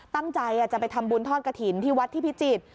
ตั้งใจจะไปทำบุญทอดกระถิ่นที่วัดที่พิจิตร